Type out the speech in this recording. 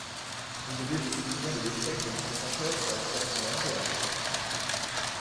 Vous devez vous souvenir de l’échec des trente-cinq heures sur la création d’emplois.